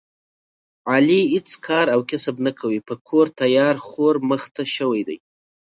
علي هېڅ کار او کسب نه کوي، په کور تیار خور مخته شوی دی.